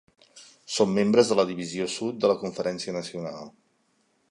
Són membres de la Divisió Sud de la Conferència Nacional.